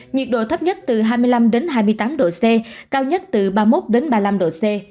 nhiệt độ thấp nhất từ hai mươi năm hai mươi tám độ c cao nhất từ ba mươi một ba mươi năm độ c